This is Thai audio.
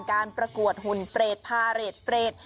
ประกวดหุ่นเปรตพาเรทเปรต